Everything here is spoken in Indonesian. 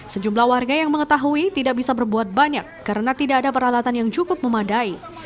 sejumlah warga yang mengetahui tidak bisa berbuat banyak karena tidak ada peralatan yang cukup memadai